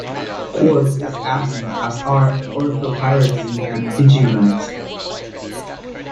Quartz is absent, as are orthopyroxene and pigeonite.